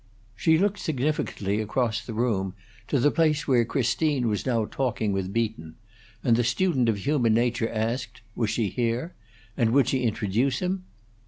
She looked significantly across the room to the place where Christine was now talking with Beaton; and the student of human nature asked, Was she here? and, Would she introduce him?